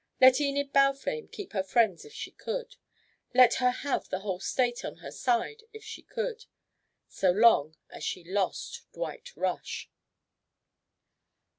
Let Enid Balfame keep her friends if she could. Let her have the whole State on her side if she could, so long as she lost Dwight Rush!